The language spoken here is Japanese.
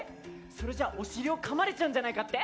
それじゃあお尻をかまれちゃうんじゃないかって？